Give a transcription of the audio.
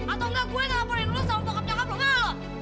atau enggak gue yang laporin lu semua ke nyokap nyokap lu mau